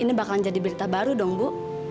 ini bakal jadi berita baru dong bu